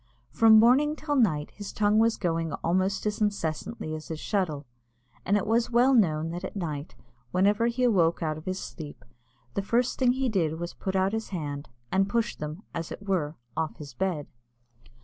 From morning till night his tongue was going almost as incessantly as his shuttle; and it was well known that at night, whenever he awoke out of his sleep, the first thing he did was to put out his hand, and push them, as it were, off his bed.